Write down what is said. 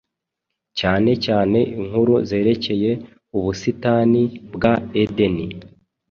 cyane cyane inkuru zerekeye ubusitani bwa Edeni